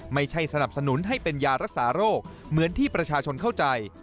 สนับสนุนให้เป็นยารักษาโรคเหมือนที่ประชาชนเข้าใจ